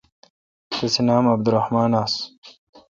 تسے°نام عبدالرحمان آس